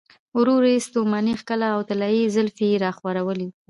ورو ورو يې ستوماني کښله او طلايې زلفې يې راخورولې.